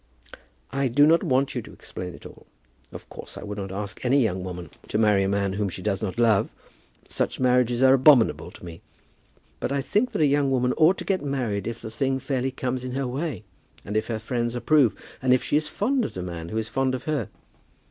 "I do not want you to explain it all. Of course I would not ask any young woman to marry a man whom she did not love. Such marriages are abominable to me. But I think that a young woman ought to get married if the thing fairly comes in her way, and if her friends approve, and if she is fond of the man who is fond of her.